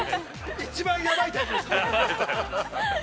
◆一番やばいタイプです。